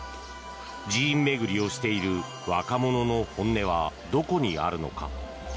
寺院巡りをしている若者の本音はどこにあるのか。